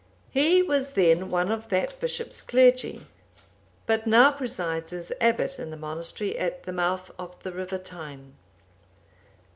He was then one of that bishop's clergy, but now presides as abbot in the monastery at the mouth of the river Tyne.